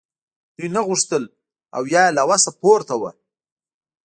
دوی نه غوښتل او یا یې له وسه پورته وه